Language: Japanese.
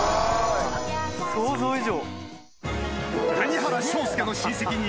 想像以上。